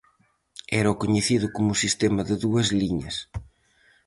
Era o coñecido como sistema de dúas liñas.